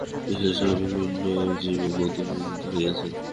ঈশ্বর এই-সকল বিভিন্ন জীবে প্রতিবিম্বিত হইয়াছেন।